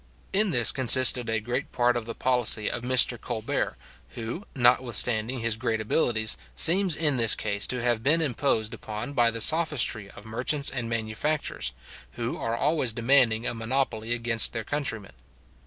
In this consisted a great part of the policy of Mr Colbert, who, notwithstanding his great abilities, seems in this case to have been imposed upon by the sophistry of merchants and manufacturers, who are always demanding a monopoly against their countrymen.